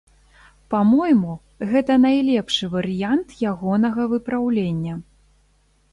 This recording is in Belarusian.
Па-мойму, гэта найлепшы варыянт ягонага выпраўлення.